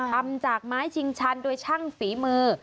ทำจากไม้ชิงชันโดยช่างฝีมือ